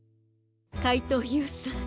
かいとうＵさん